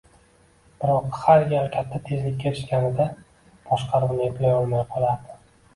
Biroq, har gal katta tezlikka erishganida boshqaruvni eplay olmay qolardi.